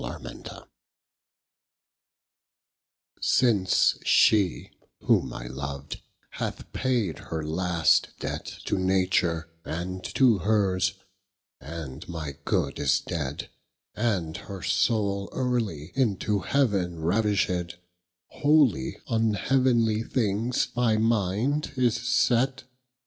XVII Since she whom I lov'd hath payd her last debt To Nature, and to hers, and my good is dead, And her Scule early into heaven ravished, Wholly on heavenly things my mind is sett.